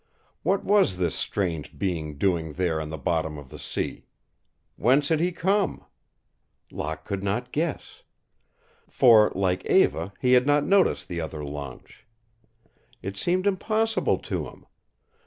What was this strange being doing there on the bottom of the sea? Whence had he come? Locke could not guess. For, like Eva, he had not noticed the other launch. It seemed impossible to him.